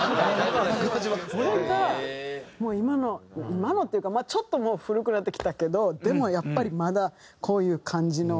これがもう今の今のっていうかちょっともう古くなってきたけどでもやっぱりまだこういう感じがトレンドで。